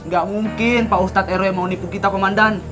gak mungkin pak ustadz rw mau nipu kita komandan